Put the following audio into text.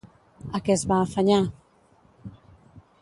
A què es va afanyar?